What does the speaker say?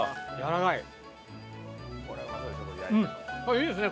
いいですね。